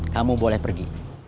kamu boleh pergi